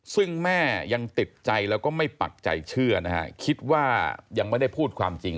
ซึ่งแม่ยังติดใจแล้วก็ไม่ปักใจเชื่อนะฮะคิดว่ายังไม่ได้พูดความจริง